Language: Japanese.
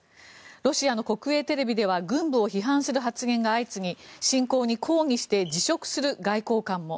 ロシアの国営テレビでは軍部を批判する発言が相次ぎ侵攻に抗議して辞職する外交官も。